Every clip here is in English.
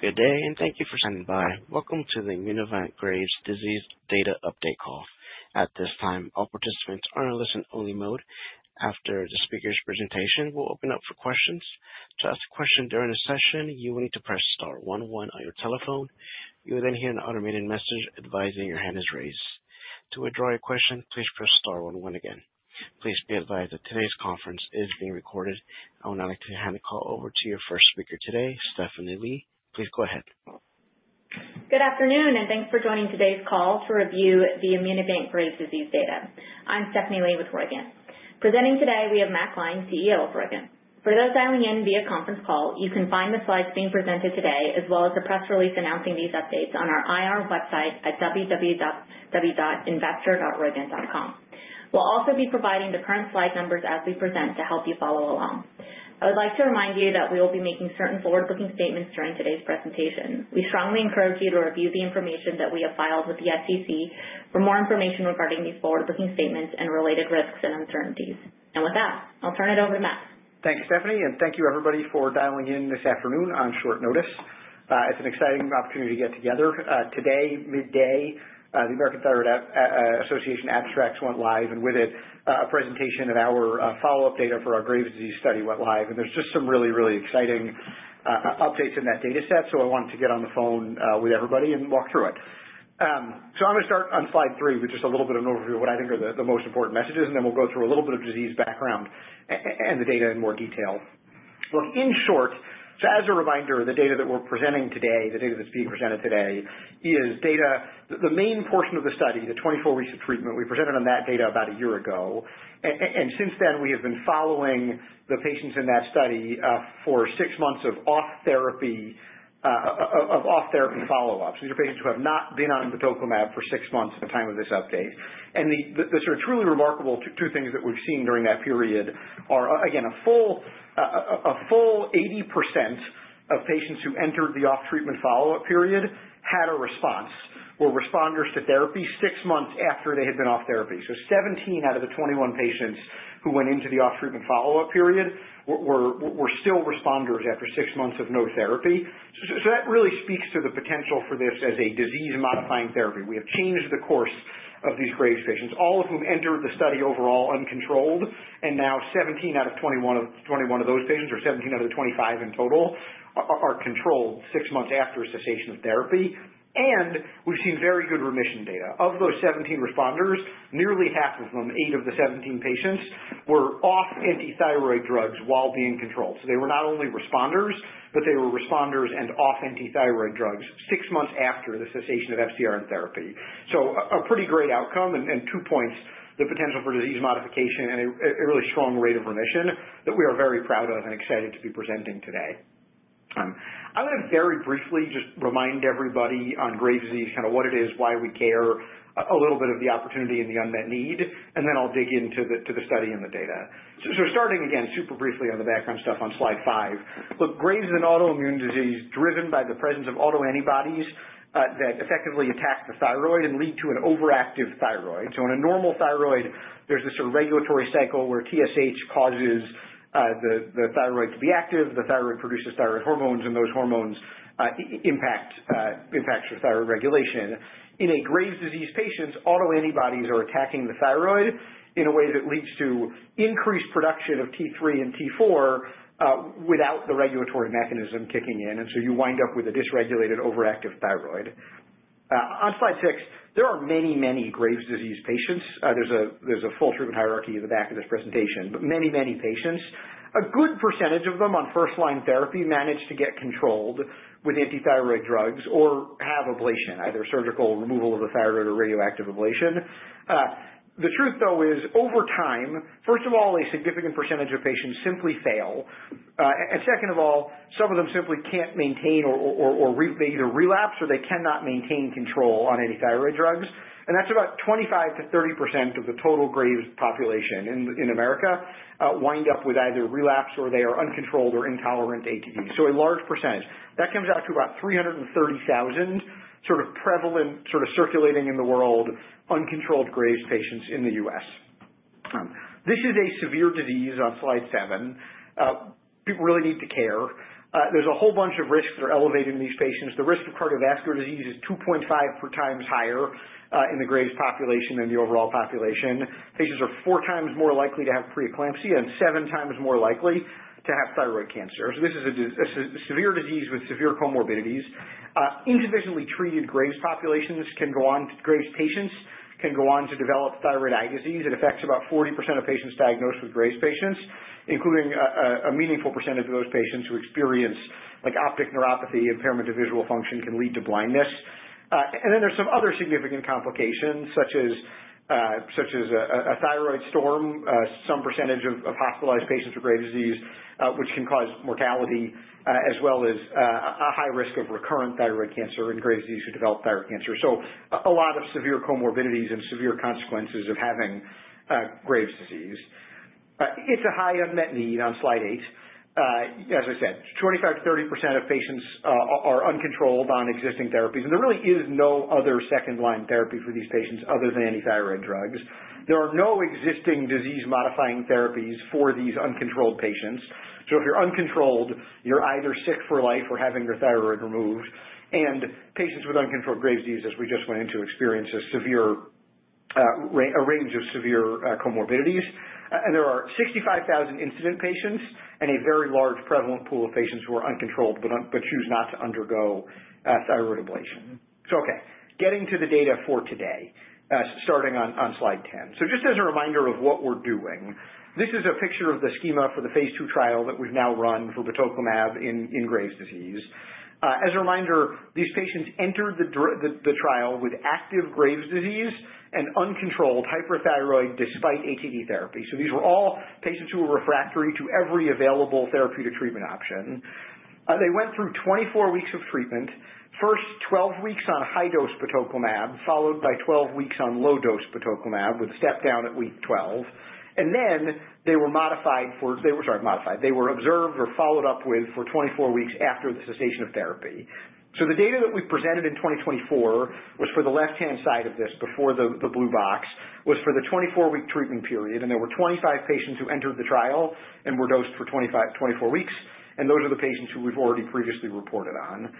... Good day, and thank you for standing by. Welcome to the Immunovant Graves' Disease Data Update Call. At this time, all participants are in a listen-only mode. After the speaker's presentation, we'll open up for questions. To ask a question during the session, you will need to press star one one on your telephone. You will then hear an automated message advising your hand is raised. To withdraw your question, please press star one one again. Please be advised that today's conference is being recorded. I would now like to hand the call over to your first speaker today, Stephanie Lee. Please go ahead. Good afternoon, and thanks for joining today's call to review the Immunovant Graves' disease data. I'm Stephanie Lee with Roivant. Presenting today, we have Matt Gline, CEO of Roivant. For those dialing in via conference call, you can find the slides being presented today, as well as the press release announcing these updates on our IR website at www.investor.roivant.com. We'll also be providing the current slide numbers as we present to help you follow along. I would like to remind you that we will be making certain forward-looking statements during today's presentation. We strongly encourage you to review the information that we have filed with the SEC for more information regarding these forward-looking statements and related risks and uncertainties. With that, I'll turn it over to Matt. Thank you, Stephanie, and thank you, everybody, for dialing in this afternoon on short notice. It's an exciting opportunity to get together today, midday. The American Thyroid Association abstracts went live, and with it, a presentation of our follow-up data for our Graves' disease study went live. There's just some really, really exciting updates in that data set. I wanted to get on the phone with everybody and walk through it. I'm gonna start on slide three with just a little bit of an overview of what I think are the most important messages, and then we'll go through a little bit of disease background and the data in more detail. Look, in short, so as a reminder, the data that we're presenting today, the data that's being presented today, is data. The main portion of the study, the 24-week treatment, we presented on that data about a year ago. And since then, we have been following the patients in that study for six months of off-therapy follow-ups. These are patients who have not been on batoclimab for six months at the time of this update. And the sort of truly remarkable two things that we've seen during that period are, again, a full 80% of patients who entered the off-treatment follow-up period had a response. They were responders to therapy six months after they had been off therapy. 17 out of the 21 patients who went into the off-treatment follow-up period were still responders after six months of no therapy. So that really speaks to the potential for this as a disease-modifying therapy. We have changed the course of these Graves' patients, all of whom entered the study overall uncontrolled, and now 17 out of 21 of those patients, or seventeen out of the 25 in total, are controlled six months after cessation of therapy. And we've seen very good remission data. Of those 17 responders, nearly half of them, eight of the `17 patients, were off antithyroid drugs while being controlled. So they were not only responders, but they were responders and off antithyroid drugs six months after the cessation of FcRn therapy. So a pretty great outcome. Two points, the potential for disease modification and a really strong rate of remission that we are very proud of and excited to be presenting today. I want to very briefly just remind everybody on Graves' disease, kind of what it is, why we care, a little bit of the opportunity and the unmet need, and then I'll dig into the study and the data. Starting again, super briefly on the background stuff on slide five. Look, Graves' is an autoimmune disease driven by the presence of autoantibodies that effectively attack the thyroid and lead to an overactive thyroid. In a normal thyroid, there's this sort of regulatory cycle where TSH causes the thyroid to be active, the thyroid produces thyroid hormones, and those hormones impacts your thyroid regulation. In Graves' disease patients, autoantibodies are attacking the thyroid in a way that leads to increased production of T3 and T4 without the regulatory mechanism kicking in, and so you wind up with a dysregulated, overactive thyroid. On slide six, there are many, many Graves' disease patients. There's a full treatment hierarchy in the back of this presentation, but many, many patients. A good % of them on first-line therapy manage to get controlled with antithyroid drugs or have ablation, either surgical removal of the thyroid or radioactive ablation. The truth, though, is over time, first of all, a significant % of patients simply fail. And second of all, some of them simply can't maintain; they either relapse or they cannot maintain control on antithyroid drugs. And that's about 25%-30% of the total Graves' population in America wind up with either relapse or they are uncontrolled or intolerant to ATD. So a large %. That comes out to about 330,000, sort of prevalent, sort of circulating in the world, uncontrolled Graves' patients in the U.S.. This is a severe disease on slide seven. People really need to care. There's a whole bunch of risks that are elevated in these patients. The risk of cardiovascular disease is 2.5x higher in the Graves' population than the overall population. Patients are four times more likely to have preeclampsia and seven times more likely to have thyroid cancer. So this is a severe disease with severe comorbidities. Insufficiently treated Graves' populations can go on... Graves' patients can go on to develop thyroid eye disease. It affects about 40% of patients diagnosed with Graves' disease, including a meaningful % of those patients who experience, like, optic neuropathy. Impairment of visual function can lead to blindness. And then there's some other significant complications, such as a thyroid storm, some % of hospitalized patients with Graves' disease, which can cause mortality, as well as a high risk of recurrent thyroid cancer in Graves' disease who develop thyroid cancer. So a lot of severe comorbidities and severe consequences of having Graves' disease. It's a high unmet need on slide eight. As I said, 25%-30% of patients are uncontrolled on existing therapies, and there really is no other second-line therapy for these patients other than antithyroid drugs. There are no existing disease-modifying therapies for these uncontrolled patients. So if you're uncontrolled, you're either sick for life or having your thyroid removed. And patients with uncontrolled Graves' disease, as we just went into, experience a range of severe comorbidities. And there are 65,000 incident patients and a very large prevalent pool of patients who are uncontrolled but choose not to undergo thyroid ablation. So okay, getting to the data for today, starting on slide 10. So just as a reminder of what we're doing, this is a picture of the schema for the Phase II trial that we've now run for batoclimab in Graves' disease. As a reminder, these patients entered the trial with active Graves' disease and uncontrolled hyperthyroid, despite ATD therapy. So these were all patients who were refractory to every available therapeutic treatment option. They went through 24 weeks of treatment. First, 12 weeks on high-dose batoclimab, followed by 12 weeks on low-dose batoclimab, with step-down at week 12, and then they were modified for... Sorry, modified. They were observed or followed up with for 24 weeks after the cessation of therapy. The data that we presented in 2024 was for the left-hand side of this, before the blue box, was for the 24-week treatment period, and there were 25 patients who entered the trial and were dosed for 25, 24 weeks, and those are the patients who we've already previously reported on.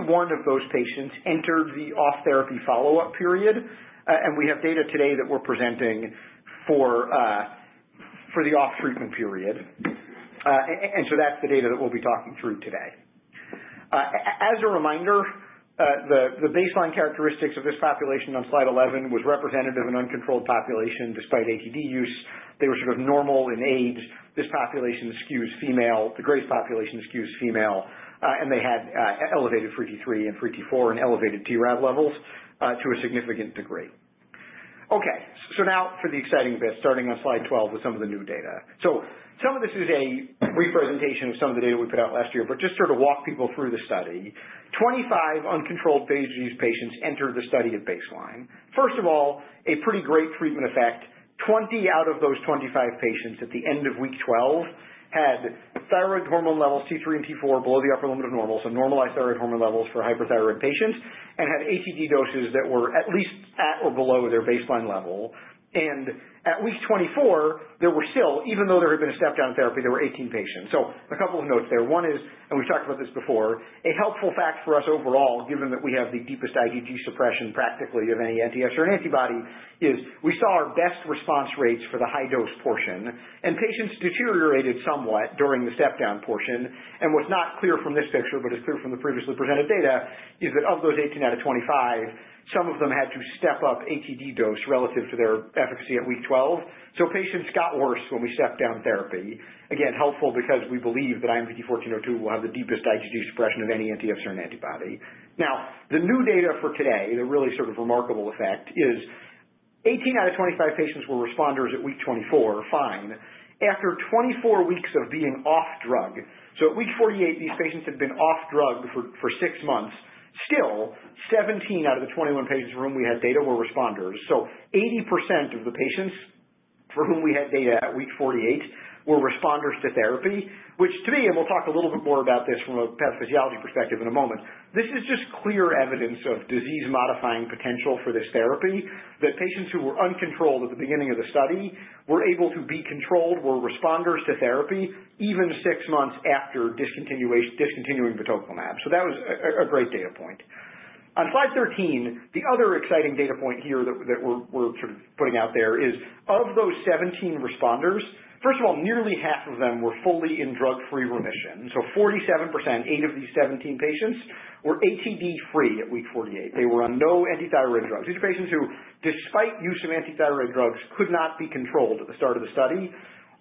21 of those patients entered the off-therapy follow-up period, and we have data today that we're presenting for the off-treatment period. And so that's the data that we'll be talking through today. As a reminder, the baseline characteristics of this population on slide 11 was representative of an uncontrolled population despite ATD use. They were sort of normal in age. This population skews female, the Graves' population skews female, and they had elevated free T3 and free T4 and elevated TRAb levels to a significant degree. Okay, so now for the exciting bit, starting on slide 12 with some of the new data. So some of this is a representation of some of the data we put out last year, but just to sort of walk people through the study. 25 uncontrolled Graves' disease patients entered the study at baseline. First of all, a pretty great treatment effect. 20 out of those 25 patients at the end of week 12 had thyroid hormone levels, T3 and T4, below the upper limit of normal, so normalized thyroid hormone levels for hyperthyroid patients and had ATD doses that were at least at or below their baseline level. And at week 24, there were still, even though there had been a step-down therapy, 18 patients. So a couple of notes there. One is, and we've talked about this before, a helpful fact for us overall, given that we have the deepest IgG suppression practically of any anti-FcRn antibody, is we saw our best response rates for the high-dose portion, and patients deteriorated somewhat during the step-down portion. And what's not clear from this picture, but is clear from the previously presented data, is that of those 18 out of 25, some of them had to step up ATD dose relative to their efficacy at week 12. So patients got worse when we stepped down therapy. Again, helpful because we believe that IMVT-1402 will have the deepest IgG suppression of any anti-FcRn antibody. Now, the new data for today, the really sort of remarkable effect, is 18 out of 25 patients were responders at week 24. After 24 weeks of being off drug, so at week 48, these patients had been off drug for six months. Still, 17 out of the 21 patients for whom we had data were responders. So 80% of the patients for whom we had data at week 48 were responders to therapy, which to me, and we'll talk a little bit more about this from a pathophysiology perspective in a moment, this is just clear evidence of disease-modifying potential for this therapy. That patients who were uncontrolled at the beginning of the study were able to be controlled, were responders to therapy, even six months after discontinuing the batoclimab. So that was a great data point. On slide 13, the other exciting data point here that we're sort of putting out there is of those 17 responders, first of all, nearly half of them were fully in drug-free remission. So 47%, 8 of these 17 patients, were ATD-free at week 48. They were on no antithyroid drugs. These are patients who, despite use of antithyroid drugs, could not be controlled at the start of the study,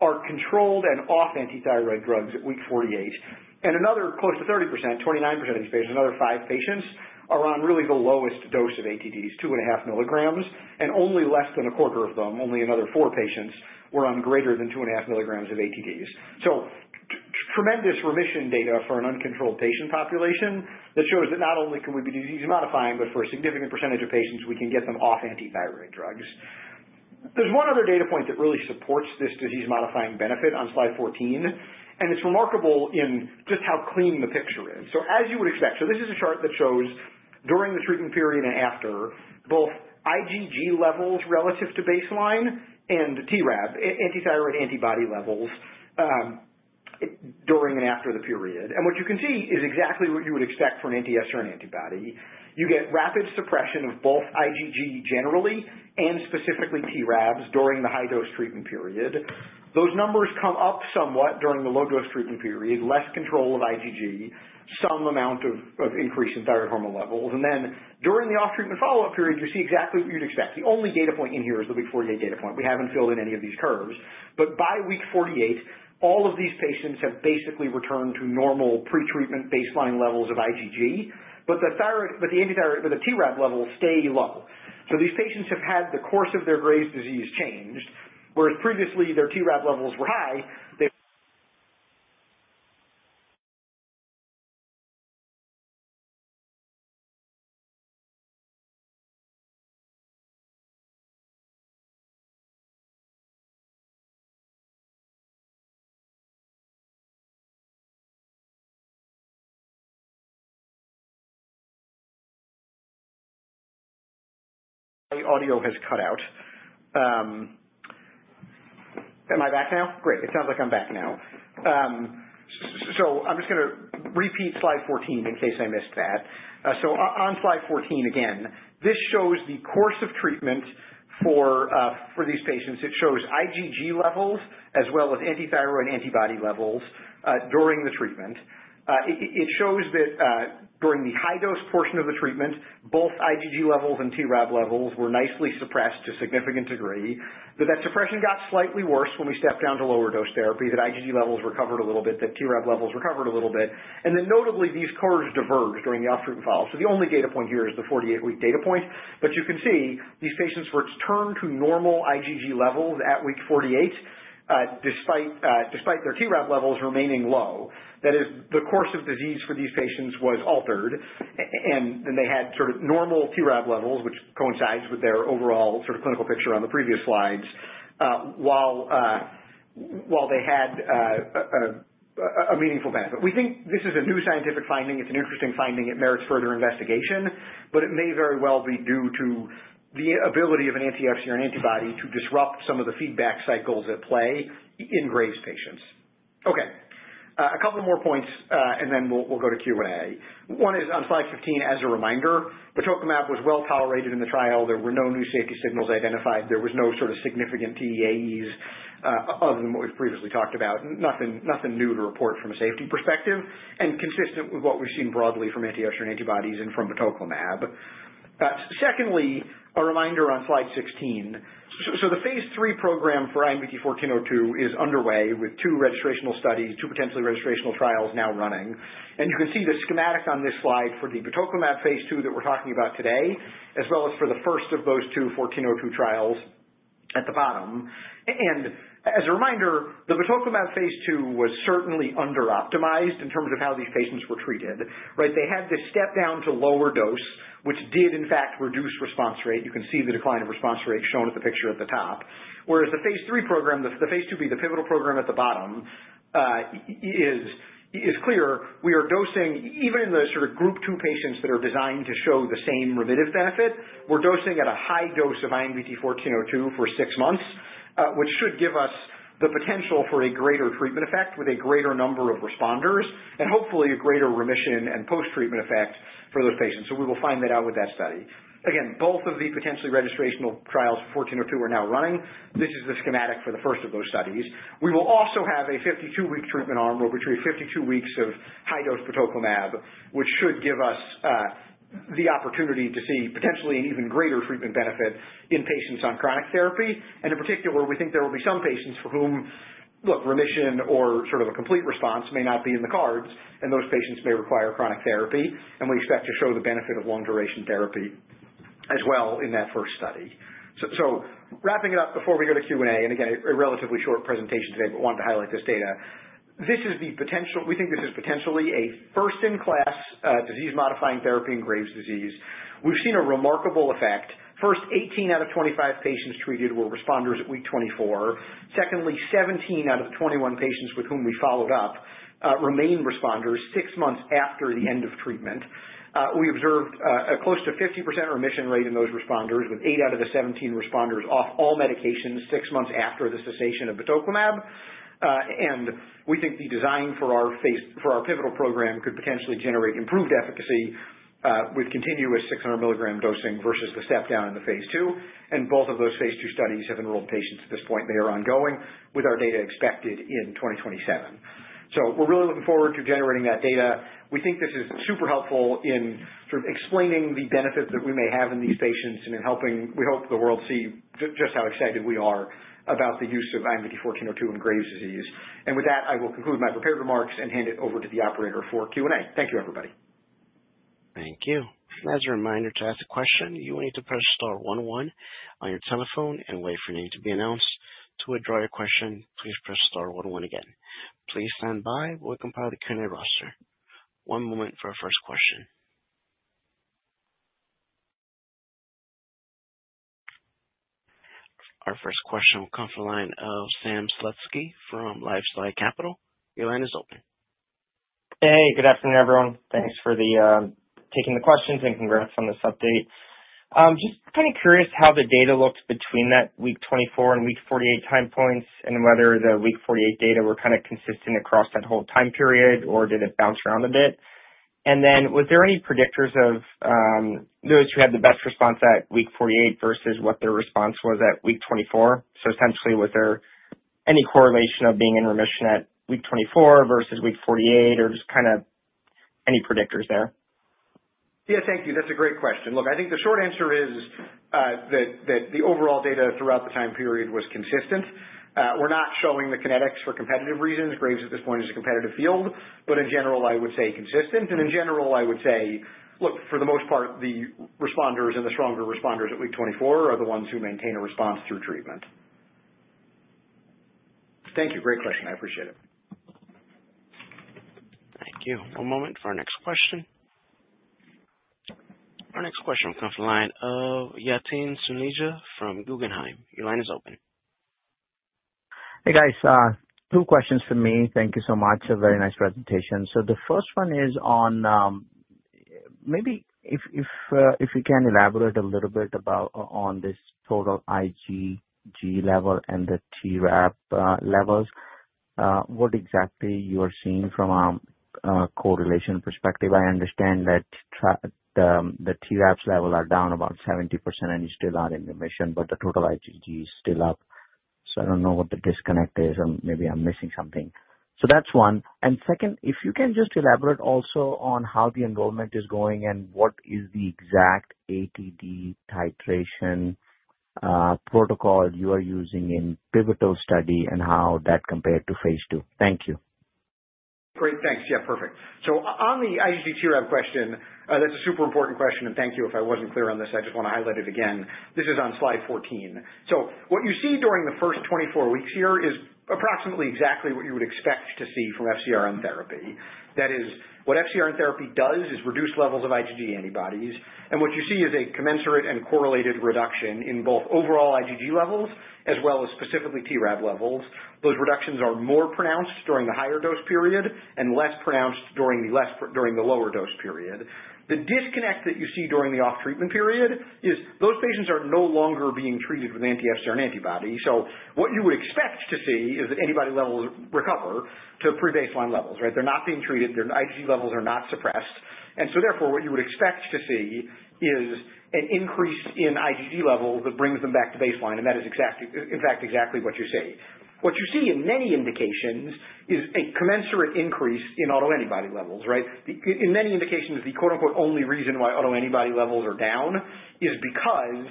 are controlled and off antithyroid drugs at week 48. Another close to 30%, 29% of these patients, another five patients, are on really the lowest dose of ATDs, two and a half milligrams, and only less than a quarter of them, only another four patients, were on greater than two and a half milligrams of ATDs. So tremendous remission data for an uncontrolled patient population that shows that not only can we be disease-modifying, but for a significant % of patients, we can get them off antithyroid drugs. There's one other data point that really supports this disease-modifying benefit on slide 14, and it's remarkable in just how clean the picture is. So as you would expect, so this is a chart that shows during the treatment period and after, both IgG levels relative to baseline and TRAb, antithyroid antibody levels, during and after the period. And what you can see is exactly what you would expect for an anti-FcRn antibody. You get rapid suppression of both IgG generally and specifically TRAbs during the high-dose treatment period. Those numbers come up somewhat during the low-dose treatment period, less control of IgG, some amount of increase in thyroid hormone levels, and then during the off-treatment follow-up period, you see exactly what you'd expect. The only data point in here is the week 48 data point. We haven't filled in any of these curves, but by week 48, all of these patients have basically returned to normal pre-treatment baseline levels of IgG, but the TRAb levels stay low. So these patients have had the course of their Graves' disease changed, whereas previously their TRAb levels were high. My audio has cut out. Am I back now? Great. It sounds like I'm back now. So I'm just gonna repeat slide 14 in case I missed that. So on slide 14, again, this shows the course of treatment for these patients. It shows IgG levels as well as antithyroid antibody levels during the treatment. It shows that during the high dose portion of the treatment, both IgG levels and TRAb levels were nicely suppressed to a significant degree, but that suppression got slightly worse when we stepped down to lower dose therapy. That IgG levels recovered a little bit, that TRAb levels recovered a little bit, and then notably, these curves diverged during the off-treatment follow. So the only data point here is the 48-week data point, but you can see these patients returned to normal IgG levels at week 48, despite their TRAb levels remaining low. That is, the course of disease for these patients was altered, and they had sort of normal TRAb levels, which coincides with their overall sort of clinical picture on the previous slides, while they had a meaningful benefit. We think this is a new scientific finding. It's an interesting finding. It merits further investigation, but it may very well be due to the ability of an anti-FcRn antibody to disrupt some of the feedback cycles at play in Graves' patients. Okay, a couple of more points, and then we'll go to Q&A. One is on slide 15, as a reminder, the batoclimab was well tolerated in the trial. There were no new safety signals identified. There was no sort of significant TEAEs, other than what we've previously talked about. Nothing, nothing new to report from a safety perspective and consistent with what we've seen broadly from anti-FcRn antibodies and from batoclimab. Secondly, a reminder on slide 16. So the Phase III program for IMVT-1402 is underway with two registrational studies, two potentially registrational trials now running, and you can see the schematic on this slide for the batoclimab phase II that we're talking about today, as well as for the first of those two 1402 trials at the bottom, and as a reminder, the batoclimab phase II was certainly underoptimized in terms of how these patients were treated, right? They had to step down to lower dose, which did in fact reduce response rate. You can see the decline of response rate shown at the picture at the top. Whereas the Phase III program, the Phase IIb, the pivotal program at the bottom, is clear. We are dosing even in the sort of group two patients that are designed to show the same remittive benefit. We're dosing at a high dose of IMVT-1402 for six months, which should give us the potential for a greater treatment effect with a greater number of responders and hopefully a greater remission and post-treatment effect for those patients. So we will find that out with that study. Again, both of the potentially registrational trials, 1402, are now running. This is the schematic for the first of those studies. We will also have a 52-week treatment arm, where we'll treat 52 weeks of high-dose batoclimab, which should give us the opportunity to see potentially an even greater treatment benefit in patients on chronic therapy. And in particular, we think there will be some patients for whom, look, remission or sort of a complete response may not be in the cards, and those patients may require chronic therapy. And we expect to show the benefit of long-duration therapy as well in that first study. So, wrapping it up before we go to Q&A, and again, a relatively short presentation today, but wanted to highlight this data. This is the potential, we think this is potentially a first-in-class, disease-modifying therapy in Graves' disease. We've seen a remarkable effect. First, 18 out of 25 patients treated were responders at week 24. Secondly, 17 out of 21 patients with whom we followed up, remained responders six months after the end of treatment. We observed a close to 50% remission rate in those responders, with eight out of the 17 responders off all medications six months after the cessation of batoclimab. And we think the design for our pivotal program could potentially generate improved efficacy, with continuous 600 mg dosing vs the step down in the phase II, and both of those phase II studies have enrolled patients at this point. They are ongoing, with our data expected in 2027. So we're really looking forward to generating that data. We think this is super helpful in sort of explaining the benefit that we may have in these patients and in helping, we hope, the world see just how excited we are about the use of IMVT-1402 in Graves' disease. With that, I will conclude my prepared remarks and hand it over to the operator for Q&A. Thank you, everybody. Thank you. As a reminder, to ask a question, you will need to press star one one on your telephone and wait for your name to be announced. To withdraw your question, please press star one one again. Please stand by while we compile the Q&A roster. One moment for our first question. Our first question will come from the line of Sam Slutsky from LifeSci Capital. Your line is open. Hey, good afternoon, everyone. Thanks for taking the questions and congrats on this update. Just kind of curious how the data looked between that week 24 and week 48 time points, and whether the week 48 data were kind of consistent across that whole time period, or did it bounce around a bit? And then, was there any predictors of those who had the best response at week 48 vs what their response was at week 24? So essentially, was there any correlation of being in remission at week 24 vs week 48, or just kind of any predictors there? Yeah, thank you. That's a great question. Look, I think the short answer is, that the overall data throughout the time period was consistent. We're not showing the kinetics for competitive reasons. Graves' at this point is a competitive field, but in general, I would say consistent. And in general, I would say, look, for the most part, the responders and the stronger responders at week 24 are the ones who maintain a response through treatment. Thank you. Great question. I appreciate it. Thank you. One moment for our next question. Our next question comes from the line of Yatin Suneja from Guggenheim. Your line is open. Hey, guys. Two questions from me. Thank you so much. A very nice presentation. So the first one is on. Maybe if you can elaborate a little bit on this total IgG level and the TRAb levels, what exactly you are seeing from a correlation perspective? I understand that the TRAbs levels are down about 70% and you still are in remission, but the total IgG is still up. So I don't know what the disconnect is, or maybe I'm missing something. So that's one. And second, if you can just elaborate also on how the enrollment is going and what is the exact ATD titration protocol you are using in pivotal study and how that compared to phase II. Thank you. Great. Thanks. Yeah, perfect. So on the IgG TRAb question, that's a super important question, and thank you. If I wasn't clear on this, I just want to highlight it again. This is on slide 14. So what you see during the first 24 weeks here is approximately exactly what you would expect to see from FcRn therapy. That is, what FcRn therapy does is reduce levels of IgG antibodies, and what you see is a commensurate and correlated reduction in both overall IgG levels as well as specifically TRAb levels. Those reductions are more pronounced during the higher dose period and less pronounced during the lower dose period. The disconnect that you see during the off-treatment period is those patients are no longer being treated with anti-FcRn antibody. So what you would expect to see is that antibody levels recover to pre-baseline levels, right? They're not being treated, their IgG levels are not suppressed, and so therefore, what you would expect to see is an increase in IgG levels that brings them back to baseline, and that is exactly, in fact, exactly what you're seeing. What you see in many indications is a commensurate increase in autoantibody levels, right? In many indications, the quote, unquote, "only reason" why autoantibody levels are down is because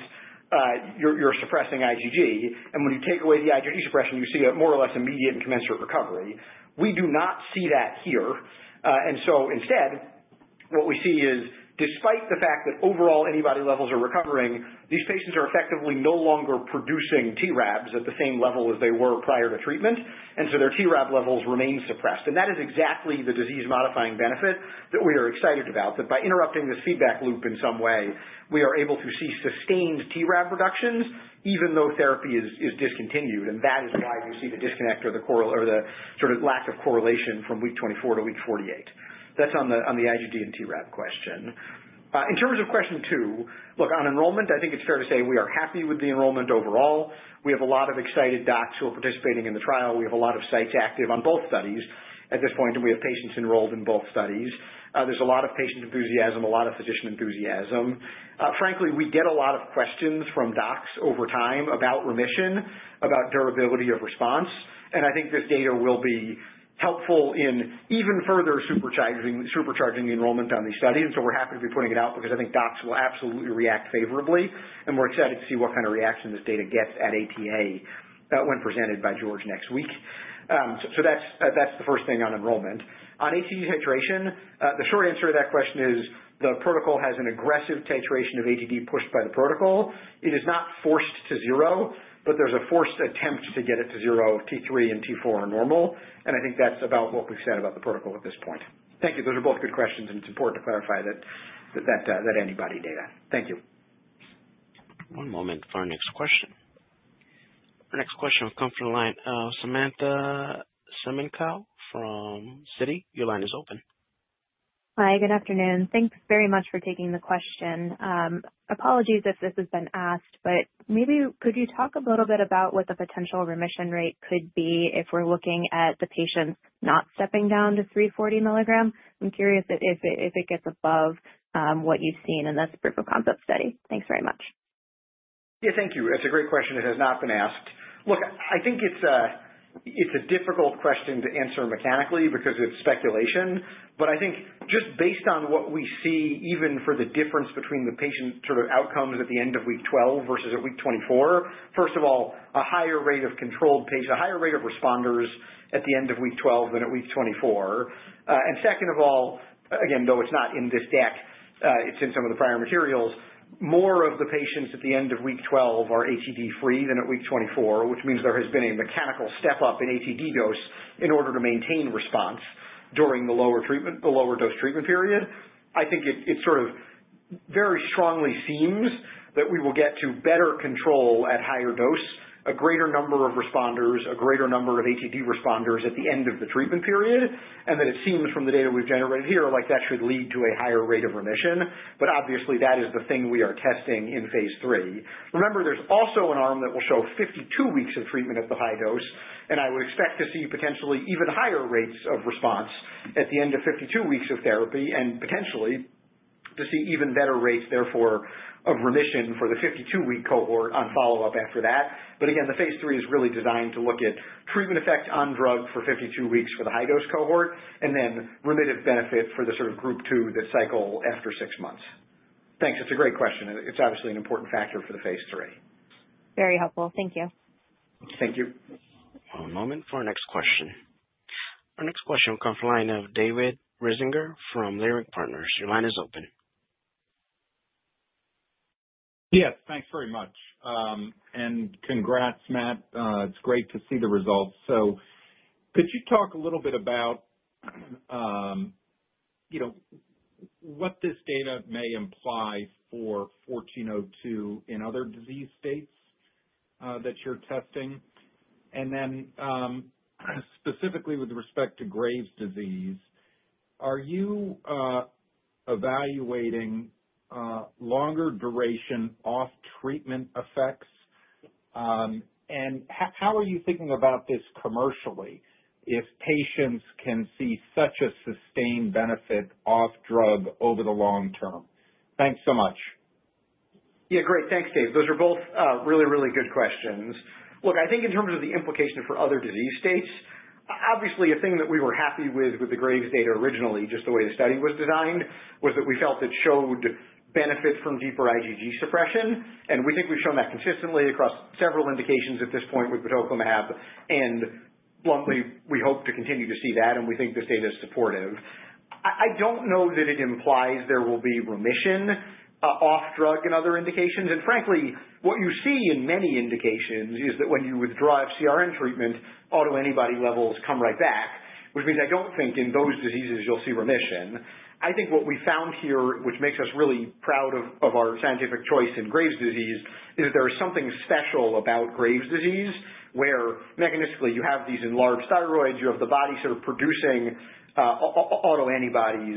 you're suppressing IgG, and when you take away the IgG suppression, you see a more or less immediate and commensurate recovery. We do not see that here, and so instead, what we see is, despite the fact that overall antibody levels are recovering, these patients are effectively no longer producing TRAbs at the same level as they were prior to treatment, and so their TRAb levels remain suppressed. And that is exactly the disease-modifying benefit that we are excited about, that by interrupting this feedback loop in some way, we are able to see sustained TRAb reductions even though therapy is discontinued. And that is why you see the disconnect or the correlation or the sort of lack of correlation from week 24-week 48. That's on the IgG and TRAb question. In terms of question two, look, on enrollment, I think it's fair to say we are happy with the enrollment overall. We have a lot of excited docs who are participating in the trial. We have a lot of sites active on both studies at this point, and we have patients enrolled in both studies. There's a lot of patient enthusiasm, a lot of physician enthusiasm. Frankly, we get a lot of questions from docs over time about remission, about durability of response, and I think this data will be helpful in even further supercharging the enrollment on these studies. So we're happy to be putting it out because I think docs will absolutely react favorably, and we're excited to see what kind of reaction this data gets at ATA, when presented by George next week. So that's the first thing on enrollment. On ATD titration, the short answer to that question is the protocol has an aggressive titration of ATD pushed by the protocol. It is not forced to zero, but there's a forced attempt to get it to zero. T3 and T4 are normal, and I think that's about what we've said about the protocol at this point. Thank you. Those are both good questions, and it's important to clarify that antibody data. Thank you. One moment for our next question. Our next question will come from the line of Samantha Semenkow from Citi. Your line is open. Hi, good afternoon. Thanks very much for taking the question. Apologies if this has been asked, but maybe could you talk a little bit about what the potential remission rate could be if we're looking at the patients not stepping down to 340 milligrams? I'm curious if it gets above what you've seen in this proof of concept study. Thanks very much. Yeah, thank you. It's a great question that has not been asked. Look, I think it's a difficult question to answer mechanically because it's speculation, but I think just based on what we see, even for the difference between the patient sort of outcomes at the end of week 12 vs at week 24, first of all, a higher rate of controlled patient, a higher rate of responders at the end of week 12 than at week 24. And second of all, again, though it's not in this deck, it's in some of the prior materials, more of the patients at the end of week 12 are ATD-free than at week 24, which means there has been a mechanical step up in ATD dose in order to maintain response during the lower treatment, the lower dose treatment period. I think it sort of very strongly seems that we will get to better control at higher dose, a greater number of responders, a greater number of ATD responders at the end of the treatment period, and that it seems from the data we've generated here, like that should lead to a higher rate of remission. But obviously, that is the thing we are testing in phase III. Remember, there's also an arm that will show 52 weeks of treatment at the high dose, and I would expect to see potentially even higher rates of response at the end of 52 weeks of therapy, and potentially to see even better rates, therefore, of remission for the 52-week cohort on follow-up after that. But again, the phase III is really designed to look at treatment effect on drug for 52 weeks for the high-dose cohort and then remission benefit for the sort of group two, the cycle after six months. Thanks. It's a great question, and it's obviously an important factor for the phase III. Very helpful. Thank you. Thank you. One moment for our next question. Our next question will come from the line of David Risinger from Leerink Partners. Your line is open. Yes, thanks very much. And congrats, Matt. It's great to see the results. So could you talk a little bit about, you know, what this data may imply for 1402 in other disease states? That you're testing? And then, specifically with respect to Graves' disease, are you evaluating longer duration off treatment effects? And how are you thinking about this commercially if patients can see such a sustained benefit off drug over the long term? Thanks so much. Yeah, great. Thanks, Dave. Those are both really, really good questions. Look, I think in terms of the implication for other disease states, obviously, a thing that we were happy with with the Graves' data originally, just the way the study was designed, was that we felt it showed benefit from deeper IgG suppression. And we think we've shown that consistently across several indications at this point with batoclimab, and bluntly, we hope to continue to see that, and we think this data is supportive. I don't know that it implies there will be remission off drug in other indications. And frankly, what you see in many indications is that when you withdraw FcRn treatment, autoantibody levels come right back, which means I don't think in those diseases you'll see remission. I think what we found here, which makes us really proud of, of our scientific choice in Graves' disease, is that there is something special about Graves' disease, where mechanistically you have these enlarged thyroids, you have the body sort of producing autoantibodies,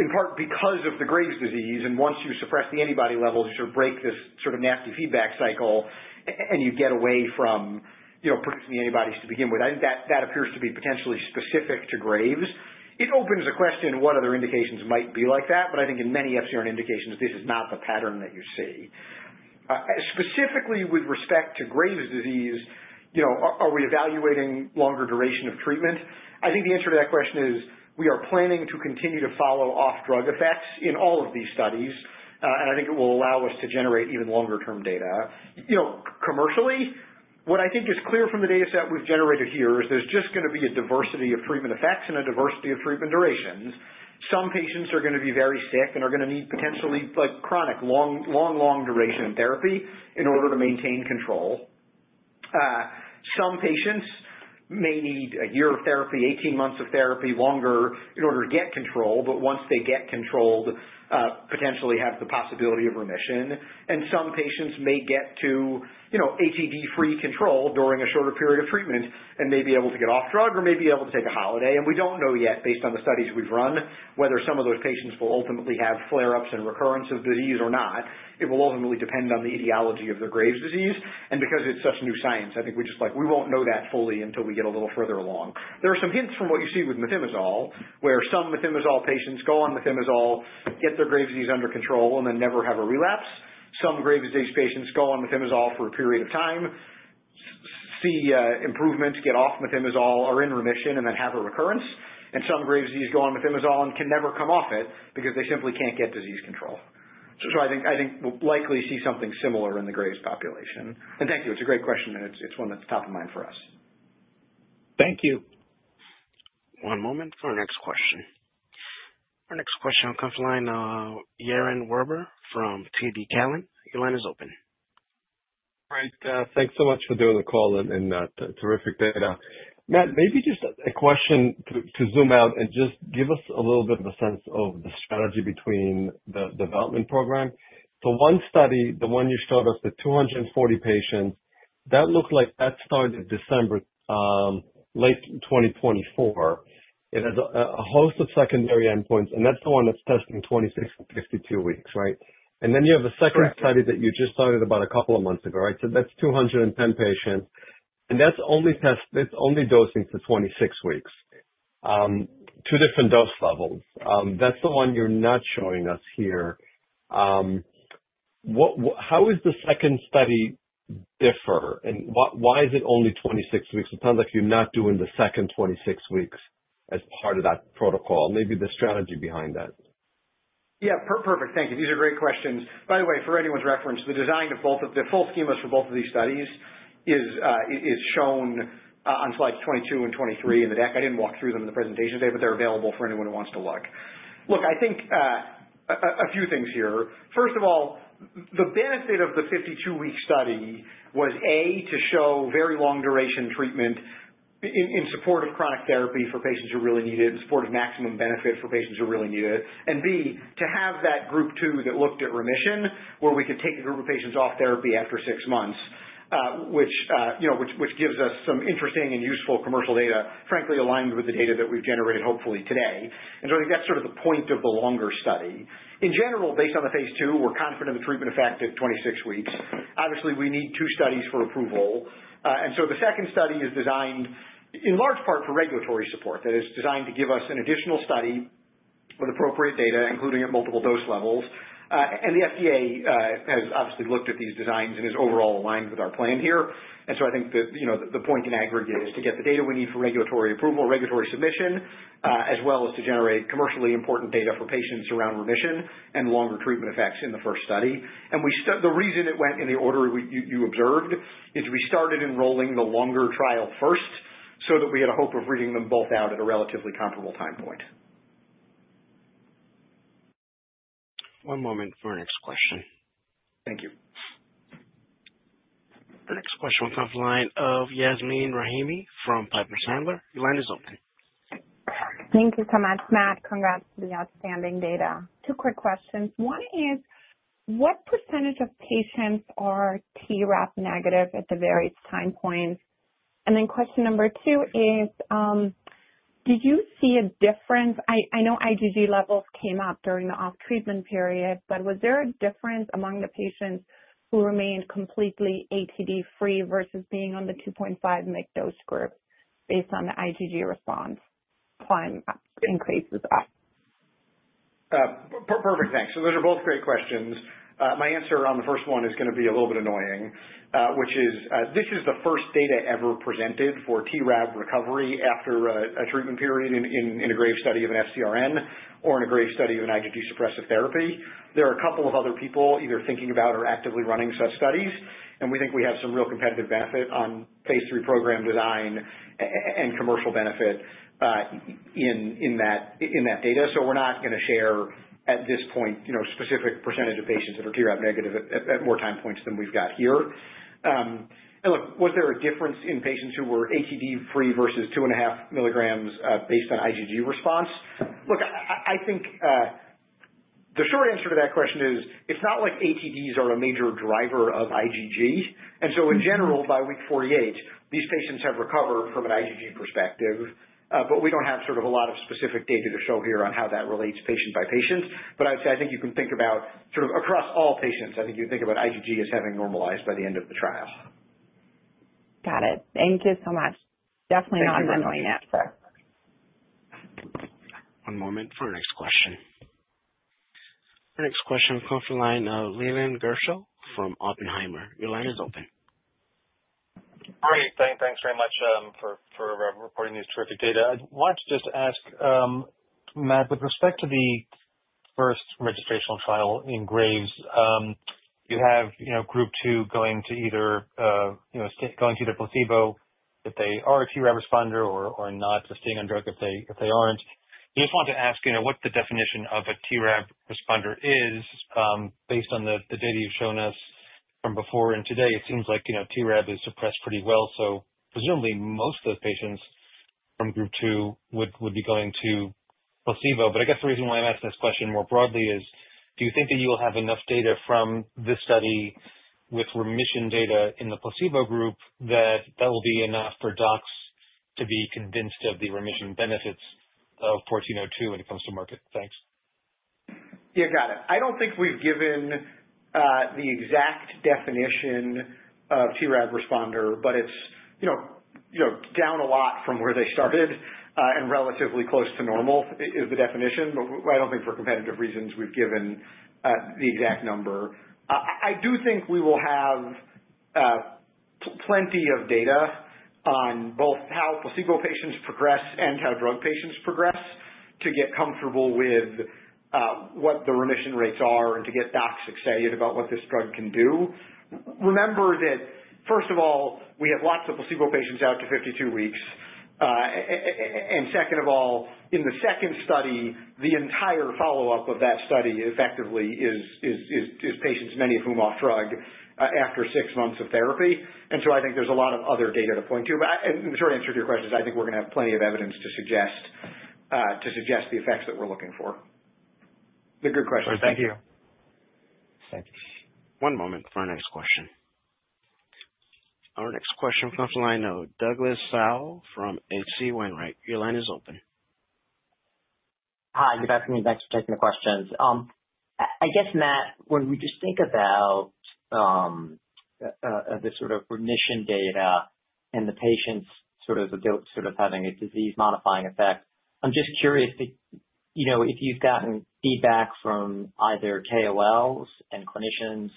in part because of the Graves' disease. And once you suppress the antibody levels, you sort of break this sort of nasty feedback cycle, and you get away from, you know, producing the antibodies to begin with. I think that, that appears to be potentially specific to Graves. It opens a question what other indications might be like that, but I think in many FcRn indications, this is not the pattern that you see. Specifically with respect to Graves' disease, you know, are we evaluating longer duration of treatment? I think the answer to that question is we are planning to continue to follow off-drug effects in all of these studies, and I think it will allow us to generate even longer-term data. You know, commercially, what I think is clear from the data set we've generated here is there's just gonna be a diversity of treatment effects and a diversity of treatment durations. Some patients are gonna be very sick and are gonna need potentially, like, chronic, long, long, long duration of therapy in order to maintain control. Some patients may need a year of therapy, eighteen months of therapy, longer in order to get control, but once they get controlled, potentially have the possibility of remission. And some patients may get to, you know, ATD-free control during a shorter period of treatment and may be able to get off drug or may be able to take a holiday. And we don't know yet, based on the studies we've run, whether some of those patients will ultimately have flare-ups and recurrence of disease or not. It will ultimately depend on the etiology of their Graves' disease, and because it's such new science, I think we just, like, we won't know that fully until we get a little further along. There are some hints from what you see with methimazole, where some methimazole patients go on methimazole, get their Graves' disease under control, and then never have a relapse. Some Graves' disease patients go on methimazole for a period of time, see improvements, get off methimazole, are in remission, and then have a recurrence. Some Graves' disease go on methimazole and can never come off it because they simply can't get disease control. So I think- I think we'll likely see something similar in the Graves' population. And thank you. It's a great question, and it's one that's top of mind for us. Thank you. One moment for our next question. Our next question comes from the line of Yaron Werber from TD Cowen. Your line is open. Great. Thanks so much for doing the call and terrific data. Matt, maybe just a question to zoom out and just give us a little bit of a sense of the strategy between the development program. The one study, the one you showed us, the 240 patients, that looked like started December late 2024. It has a host of secondary endpoints, and that's the one that's testing 26 and 52 weeks, right? And then you have a second- Correct. Study that you just started about a couple of months ago, right? So that's 210 patients, and that's only dosing for 26 weeks. Two different dose levels. That's the one you're not showing us here. What, how is the second study differ, and why is it only 26 weeks? It sounds like you're not doing the second 26 weeks as part of that protocol. Maybe the strategy behind that. Yeah, perfect. Thank you. These are great questions. By the way, for anyone's reference, the design of both of the full schemas for both of these studies is shown on slides 22 and 23 in the deck. I didn't walk through them in the presentation today, but they're available for anyone who wants to look. Look, I think a few things here. First of all, the benefit of the 52-week study was, A, to show very long duration treatment in support of chronic therapy for patients who really need it, in support of maximum benefit for patients who really need it. And B, to have that group two that looked at remission, where we could take a group of patients off therapy after six months, which you know gives us some interesting and useful commercial data, frankly, aligned with the data that we've generated, hopefully today. And so I think that's sort of the point of the longer study. In general, based on the phase II, we're confident in the treatment effect at 26 weeks. Obviously, we need two studies for approval. And so the second study is designed in large part for regulatory support. That is, designed to give us an additional study with appropriate data, including at multiple dose levels. And the FDA has obviously looked at these designs and is overall aligned with our plan here. And so I think the, you know, the point in aggregate is to get the data we need for regulatory approval, regulatory submission, as well as to generate commercially important data for patients around remission and longer treatment effects in the first study. The reason it went in the order you observed is we started enrolling the longer trial first, so that we had a hope of reading them both out at a relatively comparable time point. One moment for our next question. Thank you. The next question comes from the line of Yasmeen Rahimi from Piper Sandler. Your line is open.... Thank you so much, Matt. Congrats on the outstanding data. Two quick questions. One is, what % of patients are TRAb negative at the various time points? And then question number two is, did you see a difference? I know IgG levels came up during the off-treatment period, but was there a difference among the patients who remained completely ATD-free vs being on the 2.5 mg dose group based on the IgG response climb, increases up? Perfect, thanks. So those are both great questions. My answer on the first one is going to be a little bit annoying, which is, this is the first data ever presented for TRAb recovery after a treatment period in a Graves' study of an FcRn or in a Graves' study of an IgG suppressive therapy. There are a couple of other people either thinking about or actively running such studies, and we think we have some real competitive benefit on phase III program design and commercial benefit in that data. So we're not going to share, at this point, you know, specific % of patients that are TRAb negative at more time points than we've got here. And look, was there a difference in patients who were ATD free vs two and a half milligrams, based on IgG response? Look, I think the short answer to that question is it's not like ATDs are a major driver of IgG. Mm-hmm. And so in general, by week 48, these patients have recovered from an IgG perspective. But we don't have sort of a lot of specific data to show here on how that relates patient by patient. But I'd say, I think you can think about sort of across all patients, I think you can think about IgG as having normalized by the end of the trial. Got it. Thank you so much. Definitely not annoying, Matt. Thank you. One moment for our next question. Our next question comes from the line of Leland Gershell from Oppenheimer. Your line is open. Great. Thanks very much for reporting these terrific data. I wanted to just ask, Matt, with respect to the first registrational trial in Graves', you know, you have group two going to either, you know, going to the placebo, if they are a TRAb responder or not, just staying on drug if they aren't. I just wanted to ask, you know, what the definition of a TRAb responder is, based on the data you've shown us from before and today, it seems like, you know, TRAb is suppressed pretty well. So presumably most of those patients from group two would be going to placebo. But I guess the reason why I'm asking this question more broadly is, do you think that you will have enough data from this study with remission data in the placebo group, that that will be enough for docs to be convinced of the remission benefits of IMVT-1402 when it comes to market? Thanks. Yeah, got it. I don't think we've given the exact definition of TRAb responder, but it's, you know, down a lot from where they started, and relatively close to normal is the definition. But I don't think for competitive reasons, we've given the exact number. I do think we will have plenty of data on both how placebo patients progress and how drug patients progress to get comfortable with what the remission rates are and to get docs excited about what this drug can do. Remember that first of all, we have lots of placebo patients out to 52 weeks. And second of all, in the second study, the entire follow-up of that study effectively is patients, many of whom off drug, after six months of therapy. And so I think there's a lot of other data to point to. But and the short answer to your question is, I think we're going to have plenty of evidence to suggest the effects that we're looking for. But good question. Thank you. Thanks. One moment for our next question. Our next question comes from the line of Douglas Tsao from H.C. Wainwright. Your line is open. Hi, good afternoon. Thanks for taking the questions. I guess, Matt, when we just think about the sort of remission data and the patients sort of adult sort of having a disease-modifying effect, I'm just curious if, you know, if you've gotten feedback from either KOLs and clinicians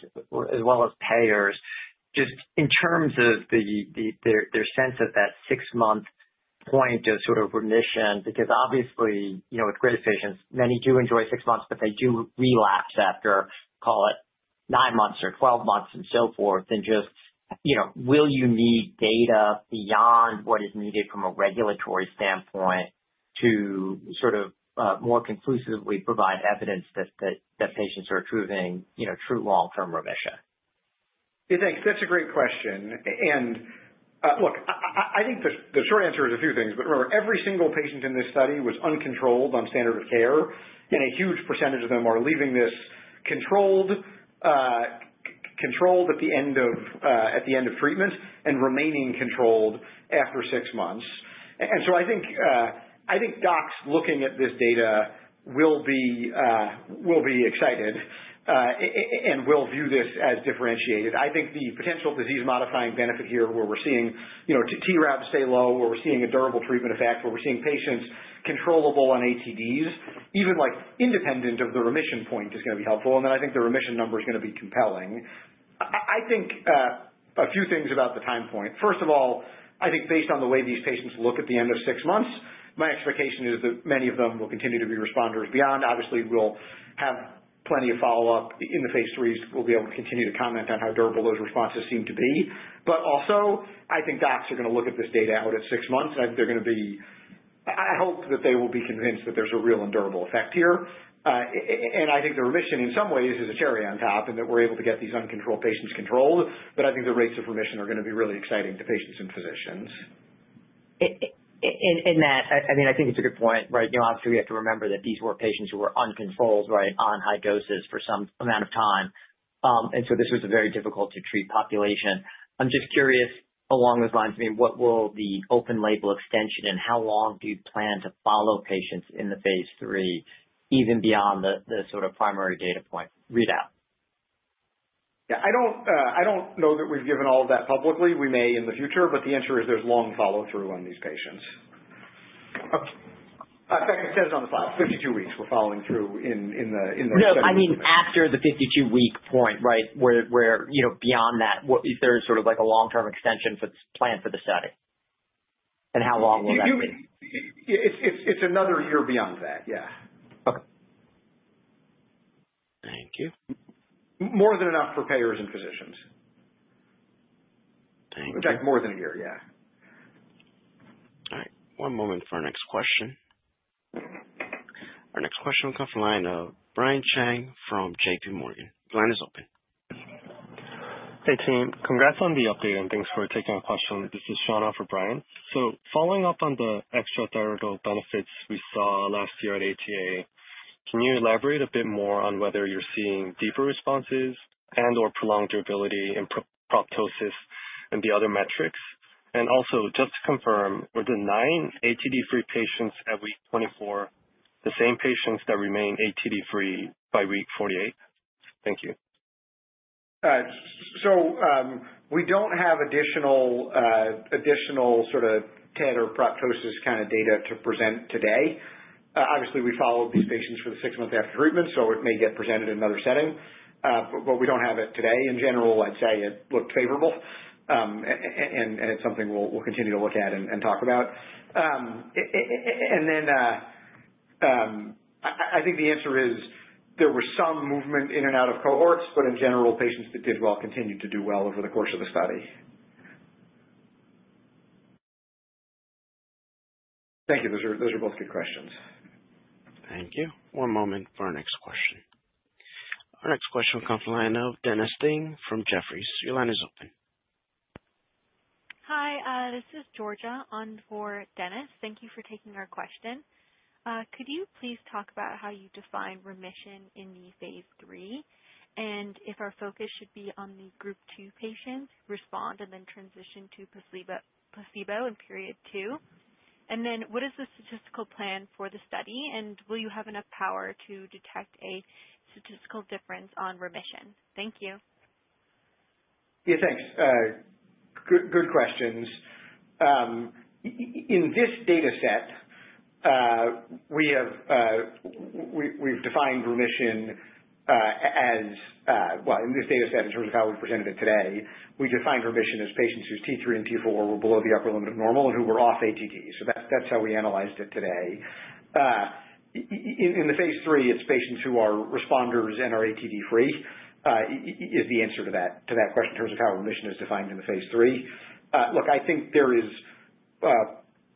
as well as payers, just in terms of their sense at that six-month point of sort of remission. Because obviously, you know, with Graves' patients, many do enjoy six months, but they do relapse after, call it nine months or twelve months and so forth. And just, you know, will you need data beyond what is needed from a regulatory standpoint to sort of more conclusively provide evidence that patients are achieving, you know, true long-term remission? Yeah, thanks. That's a great question. Look, I think the short answer is a few things, but remember, every single patient in this study was uncontrolled on standard of care, and a huge % of them are leaving this controlled at the end of treatment and remaining controlled after six months. So I think docs looking at this data will be excited and will view this as differentiated. I think the potential disease-modifying benefit here, where we're seeing, you know, TRAb stay low, where we're seeing a durable treatment effect, where we're seeing patients controllable on ATDs, even like independent of the remission point, is going to be helpful. Then I think the remission number is going to be compelling. I think a few things about the time point. First of all, I think based on the way these patients look at the end of six months, my expectation is that many of them will continue to be responders beyond. Obviously, we'll have plenty of follow-up in the phase threes. We'll be able to continue to comment on how durable those responses seem to be. But also, I think docs are going to look at this data out at six months, and I think they're going to be... I hope that they will be convinced that there's a real and durable effect here. And I think the remission, in some ways, is a cherry on top, and that we're able to get these uncontrolled patients controlled. But I think the rates of remission are going to be really exciting to patients and physicians. And Matt, I mean, I think it's a good point, right? You know, obviously, we have to remember that these were patients who were uncontrolled, right, on high doses for some amount of time. And so this was a very difficult to treat population. I'm just curious, along those lines, I mean, what will the open label extension and how long do you plan to follow patients in the phase III, even beyond the sort of primary data point readout? Yeah, I don't, I don't know that we've given all of that publicly. We may in the future, but the answer is there's long follow-through on these patients. In fact, it says on the file, 52 weeks, we're following through in the- No, I mean, after the 52-week point, right, where, you know, beyond that, what is there sort of like a long-term extension for this plan for the study? And how long will that be? It's another year beyond that. Yeah. Okay. Thank you. More than enough for payers and physicians. Thank you. In fact, more than a year. Yeah. All right. One moment for our next question. Our next question will come from the line of Brian Cheng from JPMorgan. Your line is open. Hey, team. Congrats on the update, and thanks for taking our question. This is Shana for Brian. So following up on the extra-thyroidal benefits we saw last year at ATA, can you elaborate a bit more on whether you're seeing deeper responses and/or prolonged durability in proptosis and the other metrics? And also, just to confirm, were the nine ATD-free patients at week 24, the same patients that remain ATD free by week 48? Thank you. So, we don't have additional sort of TED or proptosis kind of data to present today. Obviously, we followed these patients for the six months after treatment, so it may get presented in another setting, but we don't have it today. In general, I'd say it looked favorable, and it's something we'll continue to look at and talk about. And then, I think the answer is there was some movement in and out of cohorts, but in general, patients that did well continued to do well over the course of the study. Thank you. Those are both good questions. Thank you. One moment for our next question. Our next question will come from the line of Dennis Ding from Jefferies. Your line is open. Hi, this is Georgia on for Dennis. Thank you for taking our question. Could you please talk about how you define remission in the phase III, and if our focus should be on the Group 2 patients respond and then transition to placebo in Period 2? And then, what is the statistical plan for the study, and will you have enough power to detect a statistical difference on remission? Thank you. Yeah, thanks. Good, good questions. Well, in this data set, in terms of how we presented it today, we defined remission as patients whose T3 and T4 were below the upper limit of normal and who were off ATD. So that's how we analyzed it today. In the phase III, it's patients who are responders and are ATD-free, is the answer to that question in terms of how remission is defined in the phase III. Look, I think there is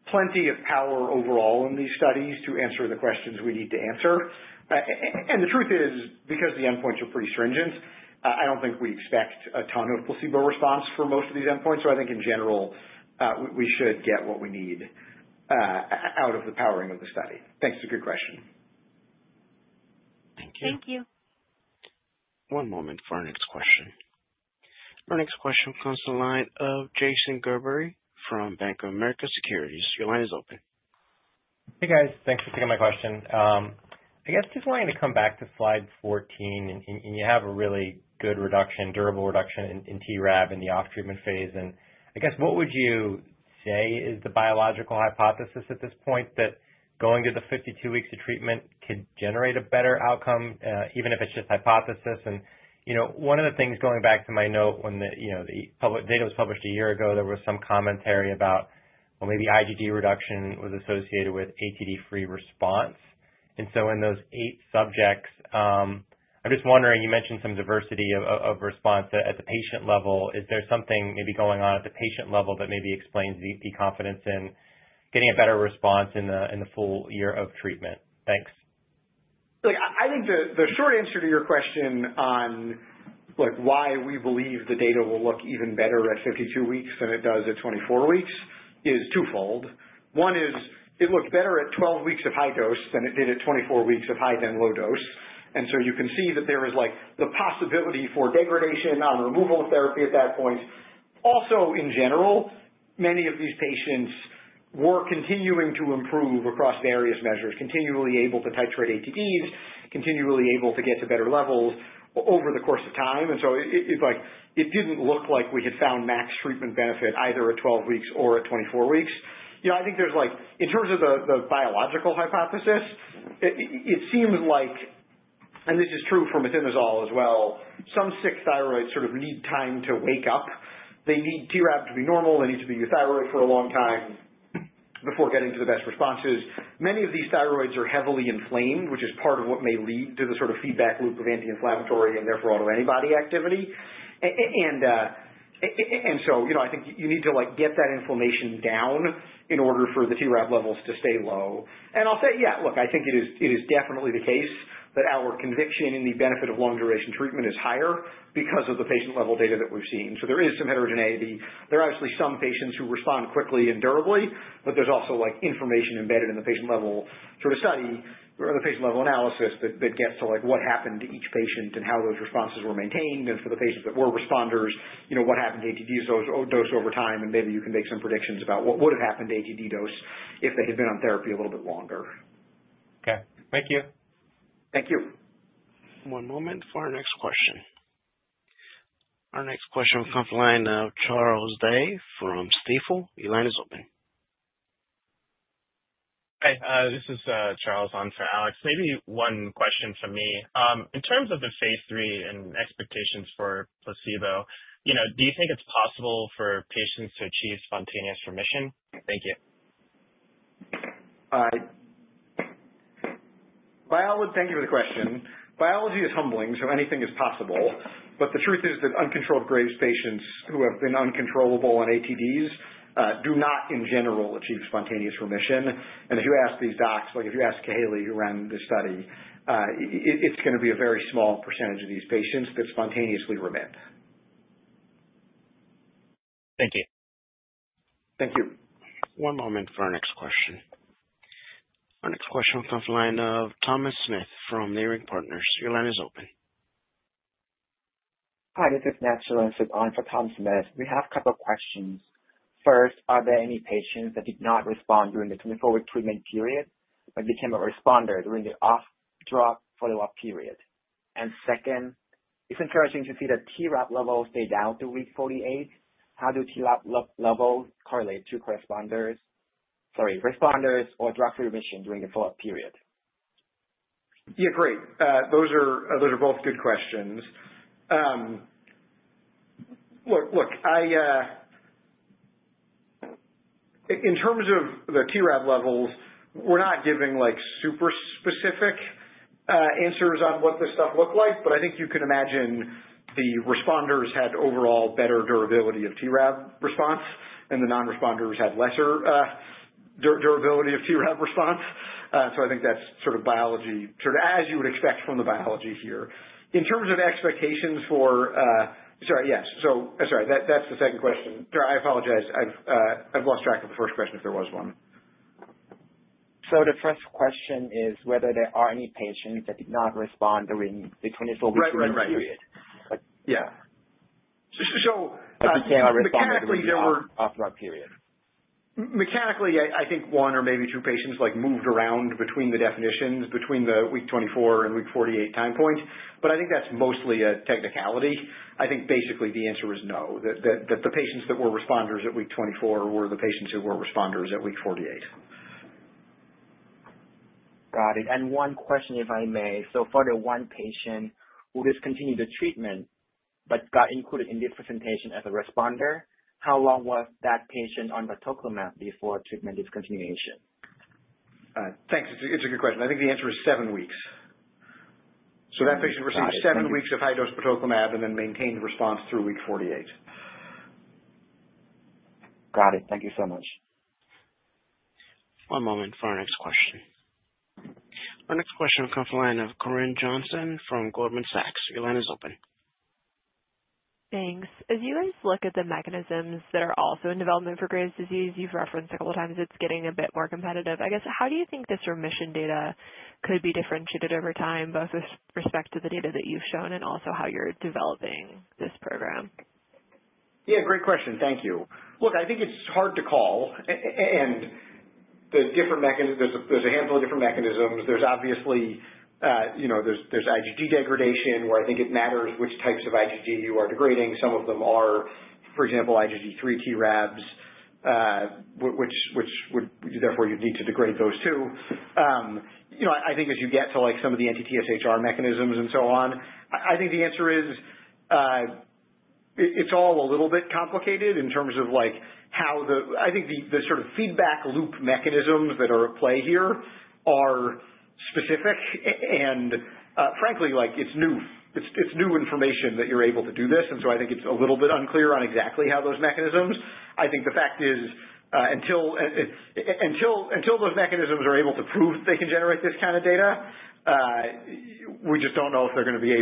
plenty of power overall in these studies to answer the questions we need to answer. And the truth is, because the endpoints are pretty stringent, I don't think we expect a ton of placebo response for most of these endpoints. So I think in general, we should get what we need out of the powering of the study. Thanks. It's a good question. Thank you. Thank you. One moment for our next question. Our next question comes from the line of Jason Gerberry from Bank of America Securities. Your line is open. Hey, guys. Thanks for taking my question. I guess just wanting to come back to slide 14, and you have a really good reduction, durable reduction in TRAb in the off-treatment phase. And I guess, what would you say is the biological hypothesis at this point? That going to the 52 weeks of treatment could generate a better outcome, even if it's just hypothesis. And, you know, one of the things, going back to my note, when the, you know, the public data was published a year ago, there was some commentary about, well, maybe IgG reduction was associated with ATD-free response. And so in those eight subjects, I'm just wondering, you mentioned some diversity of response at the patient level. Is there something maybe going on at the patient level that maybe explains the confidence in getting a better response in the full year of treatment? Thanks. Look, I think the short answer to your question on, like, why we believe the data will look even better at 52 weeks than it does at 24 weeks is twofold. One is it looked better at 12 weeks of high dose than it did at 24 weeks of high than low dose. And so you can see that there is, like, the possibility for degradation on removal of therapy at that point. Also, in general, many of these patients were continuing to improve across various measures, continually able to titrate ATDs, continually able to get to better levels over the course of time. And so it, it's like, it didn't look like we had found max treatment benefit either at 12 weeks or at 24 weeks. You know, I think there's like, in terms of the biological hypothesis, it seems like, and this is true for methimazole as well, some sick thyroids sort of need time to wake up. They need TRAb to be normal. They need to be euthyroid for a long time before getting to the best responses. Many of these thyroids are heavily inflamed, which is part of what may lead to the sort of feedback loop of anti-inflammatory and therefore autoantibody activity. And so, you know, I think you need to, like, get that inflammation down in order for the TRAb levels to stay low. And I'll say, yeah, look, I think it is, it is definitely the case that our conviction in the benefit of long duration treatment is higher because of the patient level data that we've seen. So there is some heterogeneity. There are obviously some patients who respond quickly and durably, but there's also, like, information embedded in the patient level sort of study or the patient level analysis that gets to, like, what happened to each patient and how those responses were maintained, and for the patients that were responders, you know, what happened to ATD dose over time, and maybe you can make some predictions about what would have happened to ATD dose if they had been on therapy a little bit longer. Okay. Thank you. Thank you. One moment for our next question. Our next question will come from the line of Charles Ndiaye from Stifel. Your line is open. Hi, this is Charles on for Alex. Maybe one question from me. In terms of the phase III and expectations for placebo, you know, do you think it's possible for patients to achieve spontaneous remission? Thank you. Well, thank you for the question. Biology is humbling, so anything is possible. But the truth is that uncontrolled Graves' patients who have been uncontrollable on ATDs do not, in general, achieve spontaneous remission. And if you ask these docs, like if you ask Kahaly, who ran this study, it's gonna be a very small % of these patients that spontaneously remit. Thank you. Thank you. One moment for our next question. Our next question comes from the line of Thomas Smith from Leerink Partners. Your line is open. Hi, this is Matt Tittler on for Tom Smith. We have a couple of questions. First, are there any patients that did not respond during the 24-week treatment period but became a responder during the off-drug follow-up period? And second, it's interesting to see the TRAb levels stay down to week 48. How do TRAb levels correlate to corresponders - sorry, responders or durable remission during the follow-up period? Yeah, great. Those are both good questions. Look, I in terms of the TRAb levels, we're not giving, like, super specific answers on what this stuff looked like, but I think you can imagine the responders had overall better durability of TRAb response, and the non-responders had lesser durability of TRAb response. So I think that's sort of biology, sort of as you would expect from the biology here. In terms of expectations for... Sorry, yes. So sorry, that's the second question. Sorry, I apologize. I've lost track of the first question, if there was one. So the first question is whether there are any patients that did not respond during the 24-week treatment period. Right, right, right. Yeah. So, mechanically, there were- Off-drug period. Mechanically, I think one or maybe two patients, like, moved around between the definitions, between the week 24 and week 48 time point, but I think that's mostly a technicality. I think basically the answer is no, that the patients that were responders at week 24 were the patients who were responders at week 48. Got it. And one question, if I may. So for the one patient who discontinued the treatment but got included in this presentation as a responder, how long was that patient on the batoclimab before treatment discontinuation? Thanks. It's a good question. I think the answer is seven weeks. Got it. So that patient received seven weeks of high-dose to batoclimab and then maintained the response through week 48. Got it. Thank you so much. One moment for our next question. Our next question comes from the line of Corinne Jenkins from Goldman Sachs. Your line is open. Thanks. As you guys look at the mechanisms that are also in development for Graves' disease, you've referenced a couple times it's getting a bit more competitive. I guess, how do you think this remission data could be differentiated over time, both with respect to the data that you've shown and also how you're developing this program? Yeah, great question. Thank you. Look, I think it's hard to call and the different mechanisms. There's a handful of different mechanisms. There's obviously, you know, there's IgG degradation, where I think it matters which types of IgG you are degrading. Some of them are, for example, IgG3 TRAbs, which would therefore you'd need to degrade those, too. You know, I think as you get to like some of the anti-TSHR mechanisms and so on, I think the answer is, it's all a little bit complicated in terms of like how the... I think the sort of feedback loop mechanisms that are at play here are specific. And, frankly, like it's new, it's new information that you're able to do this, and so I think it's a little bit unclear on exactly how those mechanisms. I think the fact is, until those mechanisms are able to prove they can generate this kind of data, we just don't know if they're gonna be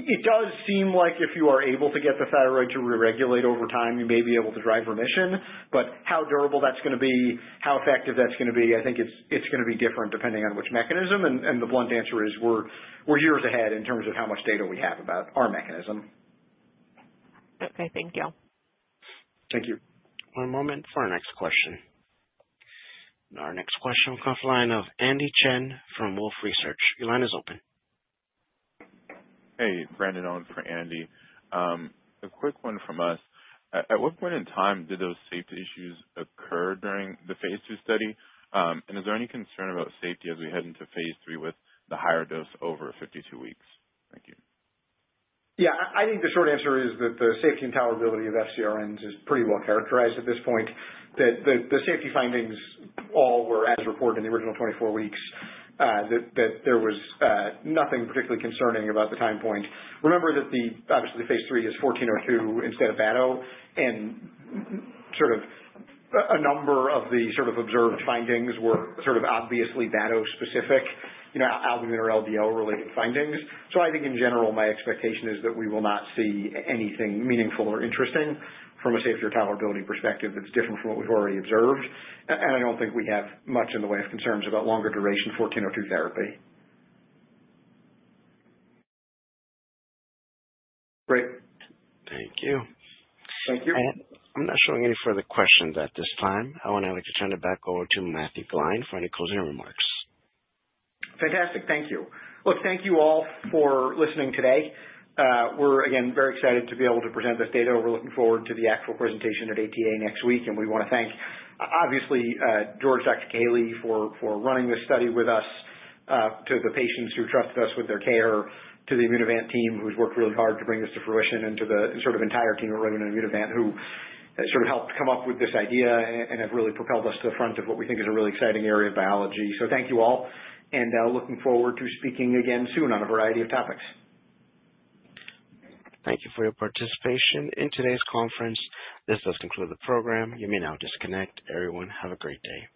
able. It does seem like if you are able to get the thyroid to reregulate over time, you may be able to drive remission. But how durable that's gonna be, how effective that's gonna be, I think it's gonna be different depending on which mechanism, and the blunt answer is we're years ahead in terms of how much data we have about our mechanism. Okay. Thank you. Thank you. One moment for our next question. Our next question will come from the line of Andy Chen from Wolfe Research. Your line is open. Hey, Brandon, on for Andy. A quick one from us. At what point in time did those safety issues occur during the phase II study, and is there any concern about safety as we head into phase III with the higher dose over 52 weeks? Thank you. Yeah, I think the short answer is that the safety and tolerability of FcRns is pretty well characterized at this point. That the safety findings all were as reported in the original 24 weeks. That there was nothing particularly concerning about the time point. Remember that, obviously, the phase III is IMVT-1402 instead of batoclimab, and sort of a number of the sort of observed findings were sort of obviously batoclimab specific, you know, albumin or LDL-related findings. So I think in general, my expectation is that we will not see anything meaningful or interesting from a safety or tolerability perspective that's different from what we've already observed. And I don't think we have much in the way of concerns about longer duration for the therapy. Great. Thank you. Thank you. I'm not showing any further questions at this time. I want to turn it back over to Matt Gline for any closing remarks. Fantastic. Thank you. Look, thank you all for listening today. We're again, very excited to be able to present this data. We're looking forward to the actual presentation at ATA next week, and we wanna thank, obviously, George Kahaly for, for running this study with us, to the patients who trusted us with their care, to the Immunovant team, who's worked really hard to bring this to fruition, and to the sort of entire team over at Immunovant, who sort of helped come up with this idea and, and have really propelled us to the front of what we think is a really exciting area of biology. So thank you all, and, looking forward to speaking again soon on a variety of topics. Thank you for your participation in today's conference. This does conclude the program. You may now disconnect. Everyone, have a great day.